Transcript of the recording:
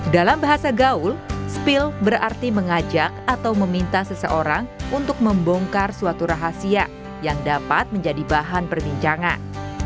dalam bahasa gaul spill berarti mengajak atau meminta seseorang untuk membongkar suatu rahasia yang dapat menjadi bahan perbincangan